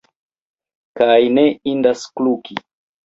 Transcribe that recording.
Kaj ne indas kluki.